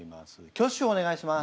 挙手をお願いします。